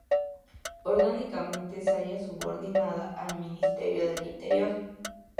Orgánicamente, se halla subordinada al Ministerio del Interior.